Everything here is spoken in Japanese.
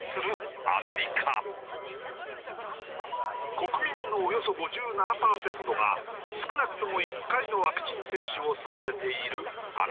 国民のおよそ５７パーセントが少なくとも１回のワクチン接種を済ませているアメリカ。